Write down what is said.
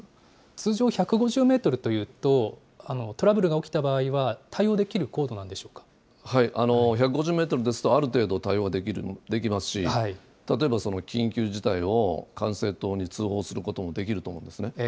通常、１５０メートルというと、トラブルが起きた場合は対応１５０メートルですと、ある程度対応はできますし、例えば、緊急事態を管制塔に通報することもできると思うんですね。